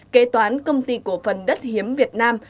kế toán công ty cổ phần đất hiếm việt nam